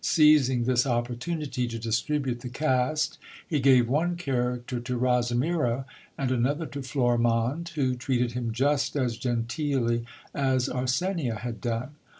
Seizing this opportunity to distribute the cast, he gave one character to Rosimiro and another to Florimonde, who treated him just as genteelly as Arsenia had done.